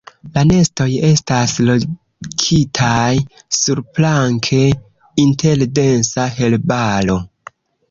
La nestoj estas lokitaj surplanke inter densa herbaro.